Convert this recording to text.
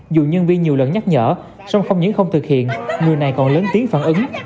dù nhân viên nhiều lần nhắc nhở song không những không thực hiện người này còn lớn tiếng phản ứng